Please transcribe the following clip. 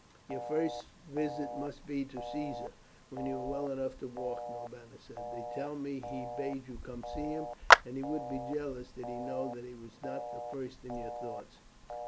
"Your first visit must be to Caesar, when you are well enough to walk," Norbanus said. "They tell me he bade you come to see him, and he would be jealous did he know that he was not the first in your thoughts."